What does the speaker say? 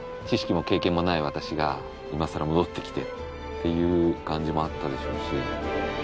知識も経験もない私が今さら戻ってきてっていう感じもあったでしょうし。